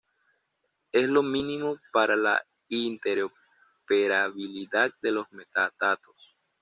Es lo mínimo para la interoperabilidad de los metadatos.